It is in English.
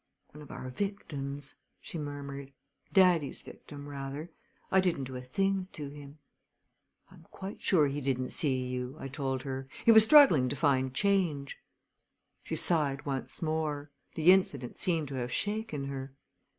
"One of our victims," she murmured; "daddy's victim, rather. I didn't do a thing to him." "I am quite sure he didn't see you," I told her. "He was struggling to find change." She sighed once more. The incident seemed to have shaken her.